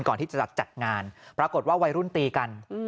ก่อนที่จะจัดงานปรากฏว่าวัยรุ่นตีกัน